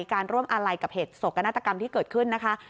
การร่วมอาลัยกับเหตุโศกนาฏกรรมที่เกิดขึ้นนะคะ